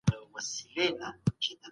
د پرمختګ مفاهيم ټولنپوهنې ته راغلل.